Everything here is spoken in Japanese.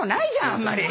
あんまり。